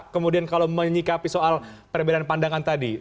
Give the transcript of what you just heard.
kemudian kalau menyikapi soal perbedaan pandangan tadi